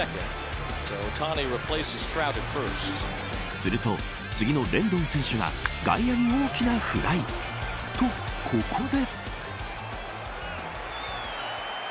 すると、次のレンドン選手が外野へ大きなフライ。と、ここで。